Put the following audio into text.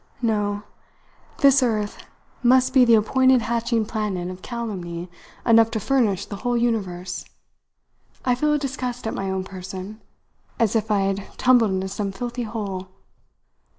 "No, this earth must be the appointed hatching planet of calumny enough to furnish the whole universe. I feel a disgust at my own person, as if I had tumbled into some filthy hole.